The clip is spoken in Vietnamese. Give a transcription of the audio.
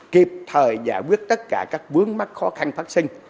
kiệp thời giải quyết tất cả các vướng mắt khó khăn phát sinh